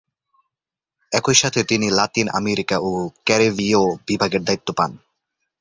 একইসাথে তিনি Latin America ও ক্যারিবীয় বিভাগের দায়িত্ব পান।